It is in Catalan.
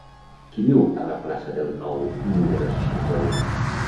Qui viu a la plaça del Nou número seixanta-u?